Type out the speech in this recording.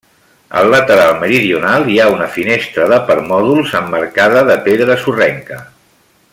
Al lateral meridional hi ha una finestra de permòdols emmarcada de pedra sorrenca.